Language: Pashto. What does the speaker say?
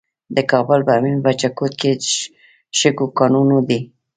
د کابل په میربچه کوټ کې د شګو کانونه دي.